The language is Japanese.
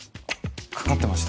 かかってました。